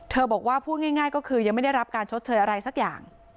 บอกว่าพูดง่ายก็คือยังไม่ได้รับการชดเชยอะไรสักอย่าง